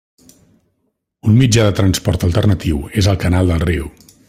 Un mitjà de transport alternatiu és el canal del riu.